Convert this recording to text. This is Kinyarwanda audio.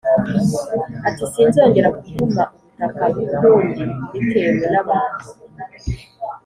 ati sinzongera kuvuma ubutaka b ukundi mbitewe n abantu